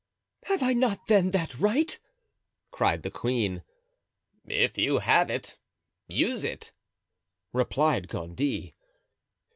"Have I not, then, that right?" cried the queen. "If you have it, use it," replied Gondy.